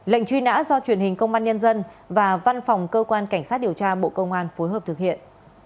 lệnh truy nã do truyền hình công an nhân dân và văn phòng cơ quan cảnh sát điều tra bộ công an phối hợp thực hiện